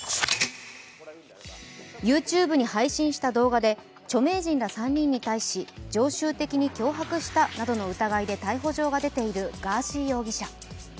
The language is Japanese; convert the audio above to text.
ＹｏｕＴｕｂｅに配信した動画で著名人ら３人に対し常習的に脅迫したなどの疑いで逮捕状が出ているガーシー容疑者。